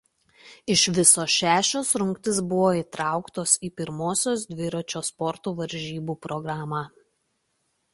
Iš viso šešios rungtys buvo įtrauktos į pirmosios dviračių sporto varžybų programą.